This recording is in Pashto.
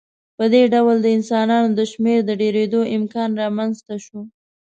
په دې ډول د انسانانو د شمېر ډېرېدو امکان رامنځته شو.